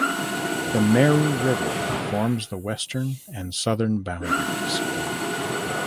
The "Mary River" forms the western and southern boundaries.